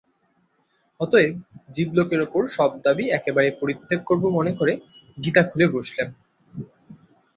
অতএব, জীবলোকের উপর সব দাবি একেবারে পরিত্যাগ করব মনে করে গীতা খুলে বসলেম।